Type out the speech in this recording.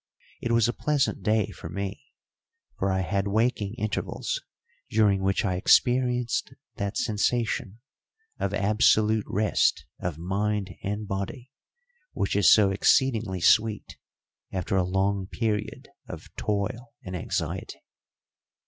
It was a pleasant day for me, for I had waking intervals during which I experienced that sensation of absolute rest of mind and body which is so exceedingly sweet after a long period of toil and anxiety.